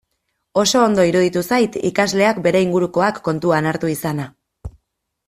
Oso ondo iruditu zait ikasleak bere ingurukoak kontuan hartu izana.